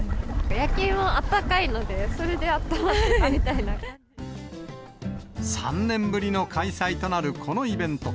焼き芋あったかいので、３年ぶりの開催となるこのイベント。